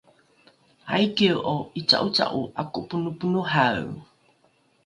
aikie’o ’ica’oca’o ’ako’oponoponohae?